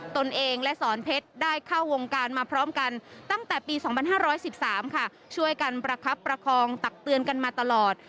ตนเองและสอนเพชรได้เข้าวงการมาพร้อมกันตั้งแต่ปี๒๕๑๓ค่ะช่วยกันประคับประคองตักเตือนกันมาตลอด